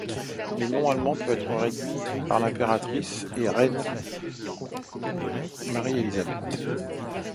Le nom allemand peut être traduit par Impératrice et Reine Marie-Thérèse.